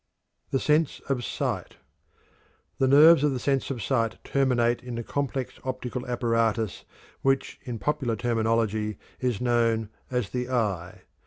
THE SENSE OF SIGHT. The nerves of the sense of sight terminate in the complex optical apparatus which in popular terminology is known as "the eye."